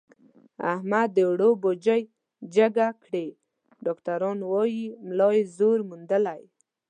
احمد د اوړو بوجۍ جګه کړې، ډاکټران وایي ملا یې زور موندلی.